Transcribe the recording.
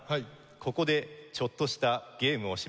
ここでちょっとしたゲームをしませんか？